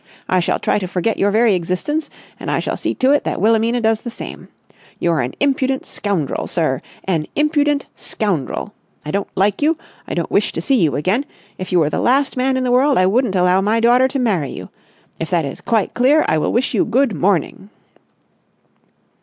I shall try to forget your very existence, and I shall see to it that Wilhelmina does the same! You're an impudent scoundrel, sir! An impudent scoundrel! I don't like you! I don't wish to see you again! If you were the last man in the world I wouldn't allow my daughter to marry you! If that is quite clear, I will wish you good morning!"